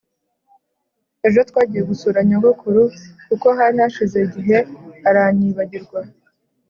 Ejo twagiye gusura nyogokuru kuko hari hashize igihe aranyibagirwa